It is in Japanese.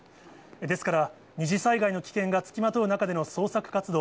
ですから、二次災害の危険が付きまとう中での捜索活動。